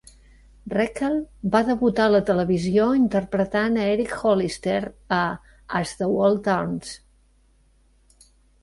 Reckell va debutar a la televisió interpretant a Eric Hollister a "As the World Turns".